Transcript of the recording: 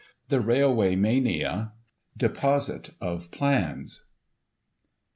The Railway Mania — Deposit of plans.